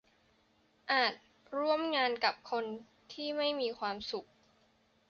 อาจร่วมงานกับคนที่ไม่มีความสุข